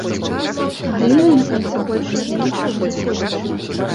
Галіны на канцы больш ці менш узыходзячыя.